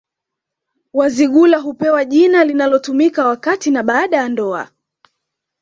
Wazigula hupewa jina litakalotumika wakati na baada ya ndoa